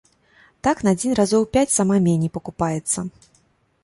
Так на дзень разоў пяць сама меней пакупаецца.